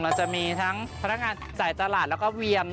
แล้วจะมีทั้งผตการจ่ายตลาดแล้วก็เวียน